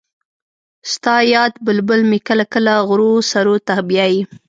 ستا یاد بلبل مې کله کله غرو سرو ته بیايي